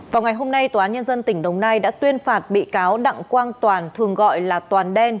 vào ngày hôm nay tòa án nhân dân tỉnh đồng nai đã tuyên phạt bị cáo đặng quang toàn thường gọi là toàn đen